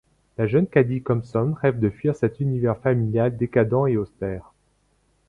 La jeune Caddy Compson rêve de fuir cet univers familial décadent et austère.